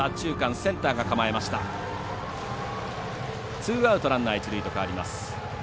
ツーアウト、ランナー、一塁と変わります。